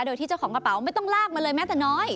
โดยที่เจ้าของกระเป๋าไม่ต้องลากมาเลยแม้แต่น้อย